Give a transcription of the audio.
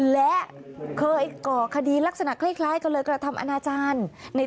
และเคยก่อคดีลักษณะคล้ายก็เลยกระทำอนาจารย์